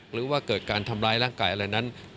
หรือว่าเกิดการทำร้ายร่างกายอะไรนั้น